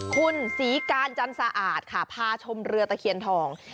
คุณศรีการจันสะอาดค่ะพาชมเรือตะเคียนทอง